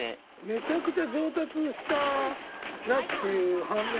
めちゃくちゃ上達したなっていう反面